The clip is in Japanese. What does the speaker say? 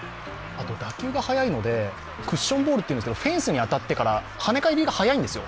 打球が速いのでクッションボールフェンスに当たってから跳ね返りが速いんですよ。